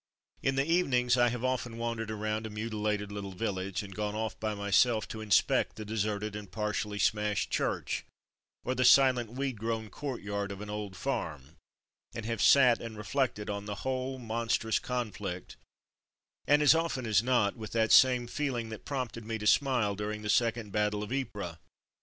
In the evenings I have often wan dered around a mutilated little village, and gone off by myself to inspect the deserted and partially smashed church, or the silent weed grown courtyard of an old farm, and have sat and reflected on the whole mon strous conflict, and as often as not with that same feeling that prompted me to smile during the second battle of Ypres.